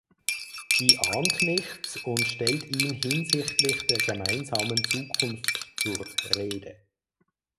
Die ahnt nichts und stellt ihn hinsichtlich der gemeinsamen Zukunft zur Rede.